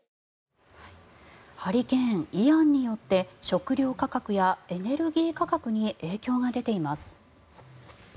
ハリケーン、イアンによって食料価格やエネルギー価格に影響が出ています。